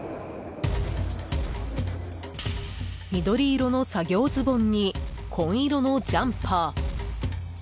緑色の作業ズボンに紺色のジャンパー。